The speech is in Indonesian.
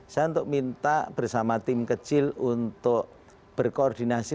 saya untuk minta bersama tim kecil untuk berkoordinasi